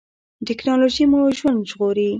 ټیکنالوژي مو ژوند ژغوري